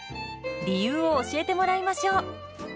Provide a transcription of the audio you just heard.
理由を教えてもらいましょう。